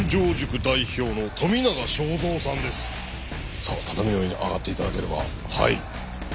さあ畳の上に上がって頂ければ。